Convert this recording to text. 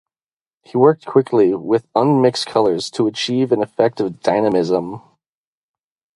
He worked quickly with unmixed colors to achieve an effect of dynamism.